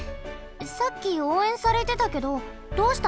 さっきおうえんされてたけどどうしたの？